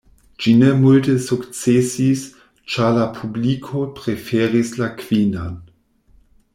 Ĝi ne multe sukcesis, ĉar la publiko preferis la Kvinan.